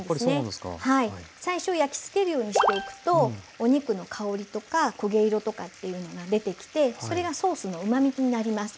最初焼きつけるようにしておくとお肉の香りとか焦げ色とかっていうのが出てきてそれがソースのうまみになります。